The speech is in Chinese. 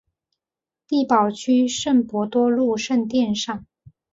城堡区圣伯多禄圣殿上。